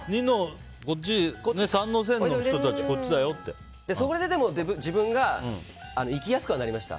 こっち、三の線の人たちそれででも自分が生きやすくはなりました。